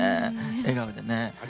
笑顔でね。